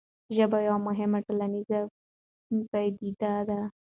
ژبه یوه مهمه ټولنیزه پدیده ده.